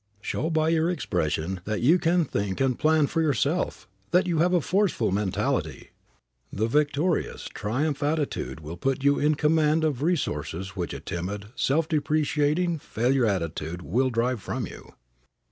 Show by your expression that you can think and plan for yourself, that you have a forceful mentality. The victorious, triumphant attitude will put you in command of resources which a timid, self depreciating, failure attitude will drive from you.